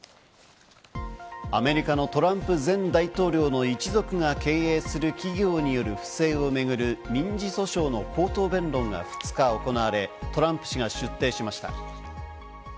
アメリカのトランプ前大統領の一族が経営する企業による不正を巡る民事訴訟の口頭弁論が２日、行われトランプ氏が出廷しました。